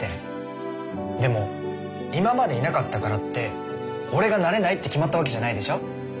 でも今までいなかったからって俺がなれないって決まったわけじゃないでしょ？